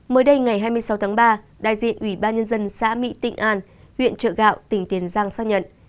mới đây ngày hai mươi sáu tháng ba đại diện ủy ban nhân dân xã mỹ tịnh an huyện trợ gạo tỉnh tiền giang xác nhận